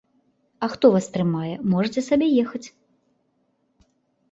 А хто вас трымае, можаце сабе ехаць.